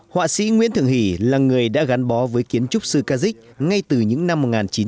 họa sĩ nguyễn thượng hỷ là người đã gắn bó với kiến trúc sư kazik ngay từ những năm một nghìn chín trăm tám mươi